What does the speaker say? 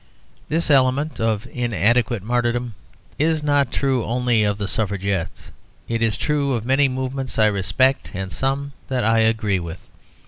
This element of inadequate martyrdom is not true only of the Suffragettes; it is true of many movements I respect and some that I agree with.